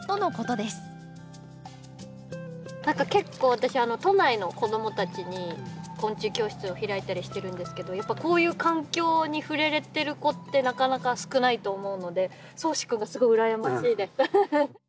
何か結構私都内の子どもたちに昆虫教室を開いたりしてるんですけどこういう環境に触れられてる子ってなかなか少ないと思うので蒼士君がすごい羨ましいです。